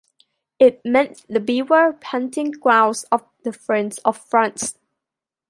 It meant the beaver hunting grounds of the friends of France.